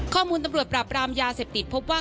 ข้อมูลตำรวจปราบรามยาเสพติดพบว่า